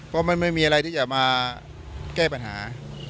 เพราะมันไม่มีอะไรที่จะมาแก้ปัญหา